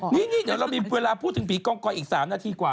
นี่เดี๋ยวเรามีเวลาพูดถึงผีกองกอยอีก๓นาทีกว่า